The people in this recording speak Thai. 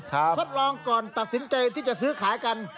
ทดลองก่อนตัดสินใจที่จะซื้อขายกัน